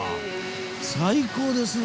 最高ですね。